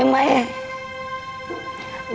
mirna bakalan usaha